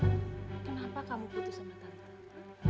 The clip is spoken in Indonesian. kenapa kamu putus sama target